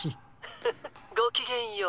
☎フフッごきげんよう。